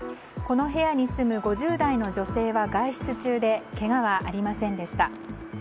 この部屋に住む５０代の女性は外出中でけがはありませんでした。